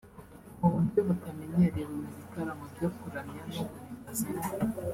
Mu buryo butamenyerewe mu bitaramo byo kuramya no guhimbaza Imana